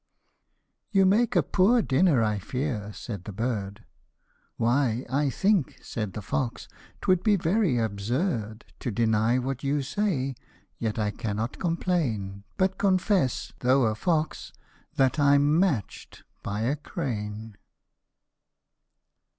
" You make a poor dinner, I fear," said the bird ;" Why, I think," said the fox, " 'twould be very absurd To deny what you say, yet I cannot complain, But confess, though a fox, that Pm matched by a crane."